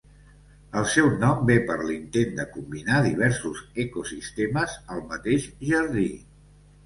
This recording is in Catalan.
El seu nom ve per l'intent de combinar diversos ecosistemes al mateix jardí.